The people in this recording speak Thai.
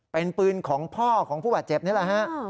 เป็นปืนของพ่อของผู้บาดเจ็บนี่แหละฮะ